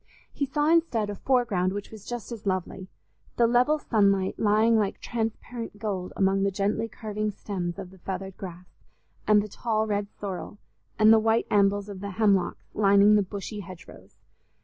He saw instead a foreground which was just as lovely—the level sunlight lying like transparent gold among the gently curving stems of the feathered grass and the tall red sorrel, and the white ambels of the hemlocks lining the bushy hedgerows.